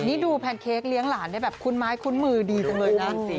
นี่ดูแพนเค้กเลี้ยงหลานได้แบบคุ้นไม้คุ้นมือดีจังเลยนะ